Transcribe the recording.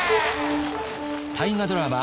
大河ドラマ